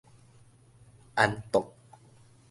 安卓